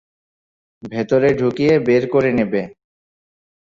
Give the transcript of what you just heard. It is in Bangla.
ভেতরে ঢুকিয়ে বের করে নেবে।